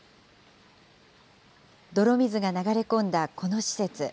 泥水が流れ込んだこの施設。